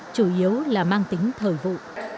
chủ yếu là mang tính thời vụ